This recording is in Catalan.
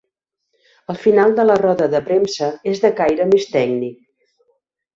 El final de la roda de premsa és de caire més tècnic.